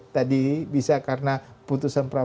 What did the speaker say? tadi bisa karena putusan